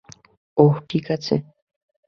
ওহ, ঠিক আছে।